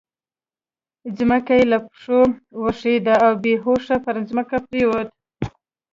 ځمکه يې له پښو وښوېده او بې هوښه پر ځمکه پرېوته.